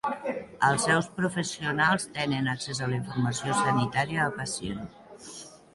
Els seus professionals tenen accés a la informació sanitària del pacient.